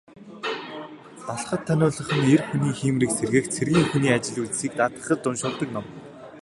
Далха тахиулах нь эр хүний хийморийг сэргээх, цэргийн хүний ажил үйлсийг даатгахад уншуулдаг ном.